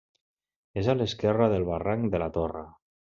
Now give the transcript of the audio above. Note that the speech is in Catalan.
És a l'esquerra del barranc de la Torre.